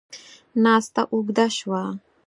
ناسته اوږده شوه.